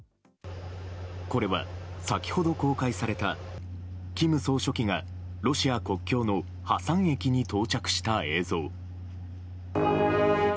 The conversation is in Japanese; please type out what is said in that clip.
これは、先ほど公開された、キム総書記がロシア国境のハサン駅に到着した映像。